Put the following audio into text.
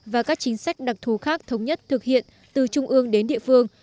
và các chính sách đặc thù khác thống nhất thực hiện từ trung ương đến địa phương